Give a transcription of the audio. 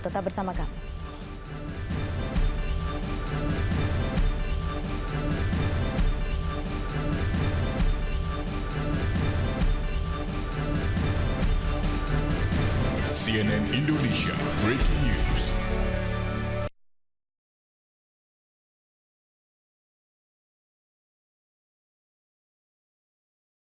tetap bersama kami